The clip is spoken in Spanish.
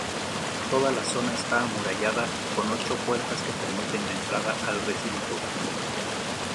Toda la zona está amurallada, con ocho puertas que permiten la entrada al recinto.